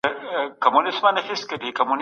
ایا د ملګرو سره وخت تېرول ذهن ته ارامي ورکوي؟